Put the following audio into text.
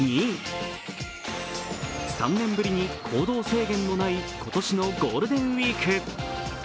３年ぶりに行動制限のない今年のゴールデンウイーク。